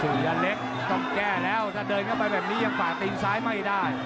ยันเล็กต้องแก้แล้วถ้าเดินเข้าไปแบบนี้ยังฝ่าตีนซ้ายไม่ได้